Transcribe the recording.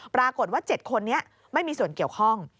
ปรากฏว่า๗คนนี้ไม่มีส่วนเกี่ยวข้อง